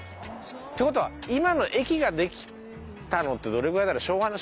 って事は今の駅ができたのってどれぐらいだろう？